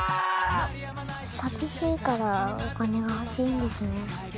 寂しいからお金が欲しいんですね。